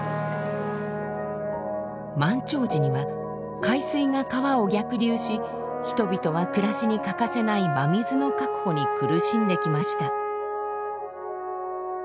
満潮時には海水が川を逆流し人々は暮らしに欠かせない真水の確保に苦しんできました。